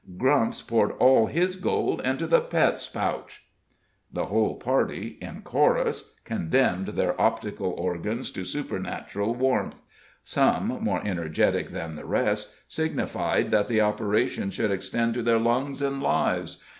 Grump's poured all his gold into the Pet's pouch!" The whole party, in chorus, condemned their optical organs to supernatural warmth; some, more energetic than the rest, signified that the operation should extend to their lungs and lives.